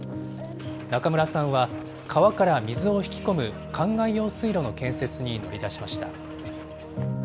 中村さんは、川から水を引き込むかんがい用水路の建設に乗り出しました。